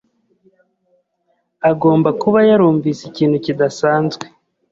Agomba kuba yarumvise ikintu kidasanzwe.